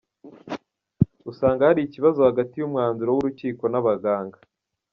Usanga hari ikibazo hagati y’umwanzuro w’urukiko n’abaganga.